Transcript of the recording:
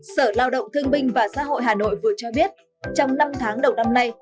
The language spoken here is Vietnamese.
sở lao động thương binh và xã hội hà nội vừa cho biết trong năm tháng đầu năm nay